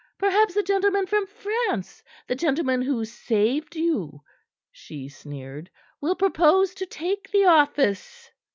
"Perhaps the gentleman from France the gentleman who saved you," she sneered, "will propose to take the office."